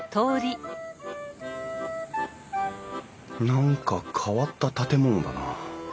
何か変わった建物だな。